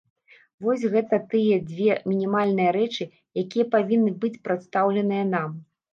Вось гэта тыя дзве мінімальныя рэчы, якія павінны быць прадстаўленыя нам.